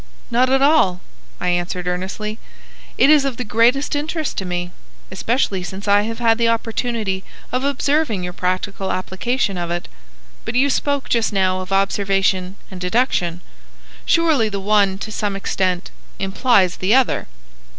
"Not at all," I answered, earnestly. "It is of the greatest interest to me, especially since I have had the opportunity of observing your practical application of it. But you spoke just now of observation and deduction. Surely the one to some extent implies the other."